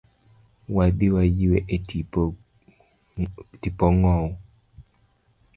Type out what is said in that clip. Wadhi wa yue e tipo ngowu.